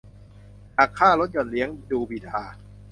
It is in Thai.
หักค่าลดหย่อนเลี้ยงดูบิดา